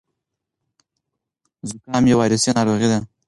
زکام یو ویروسي ناروغي ده.